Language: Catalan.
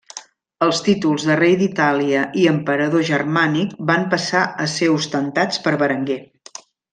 Els títols de rei d'Itàlia i Emperador Germànic van passar a ser ostentats per Berenguer.